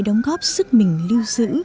đóng góp sức mình lưu giữ